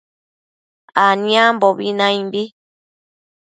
aniambobi naimbi